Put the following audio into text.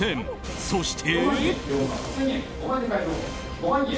そして。